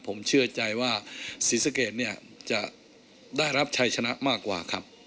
ผมเชื่อใจว่าศรีสะเกดเนี่ยจะได้รับชัยชนะมากกว่าครับ